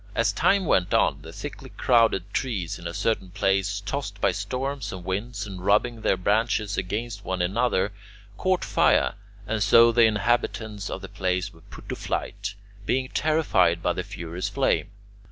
As time went on, the thickly crowded trees in a certain place, tossed by storms and winds, and rubbing their branches against one another, caught fire, and so the inhabitants of the place were put to flight, being terrified by the furious flame.